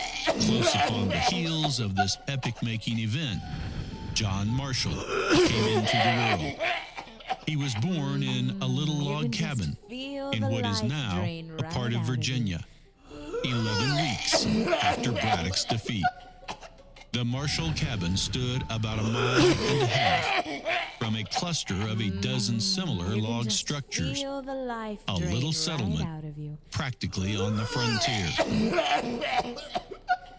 Close upon the heels of this epoch making event, John Marshall came into the world. He was born in a little log cabin in what is now a part of Virginia, eleven weeks after Braddock's defeat. The Marshall cabin stood about a mile and a half from a cluster of a dozen similar log structures, a little settlement practically on the frontier.